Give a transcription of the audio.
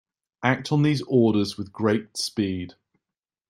Act on these orders with great speed.